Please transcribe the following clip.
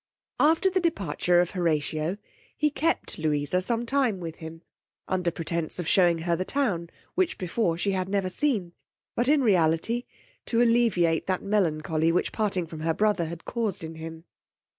After the departure of Horatio, he kept Louisa some time with him, under pretence of showing her the town, which before she had never seen; but in reality to alleviate that melancholy which parting from her brother had caused in him.